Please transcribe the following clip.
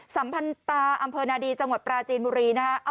สัมพันตาอำเภอนาดีจังหวัดปราจีนบุรีนะฮะ